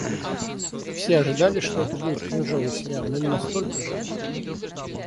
Все ожидали, что это будет кринжовый сериал, но не настолько же!